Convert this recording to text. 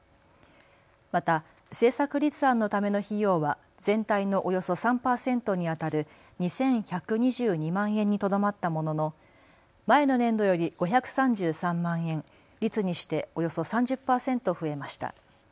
また政策立案のための費用は全体のおよそ３％にあたる２１２２万円にとどまったものの前の年度より５３３万円、率にしておよそ３０％増えました。